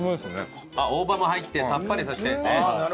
あっ大葉も入ってさっぱりさせてるんですね。